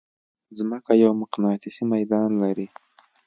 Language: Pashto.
مځکه یو مقناطیسي ميدان لري.